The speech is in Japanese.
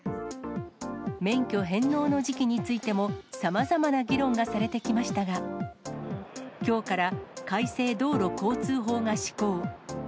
免許返納の時期についても、さまざまな議論がされてきましたが、きょうから改正道路交通法が施行。